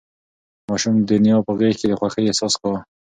ماشوم د نیا په غېږ کې د خوښۍ احساس کاوه.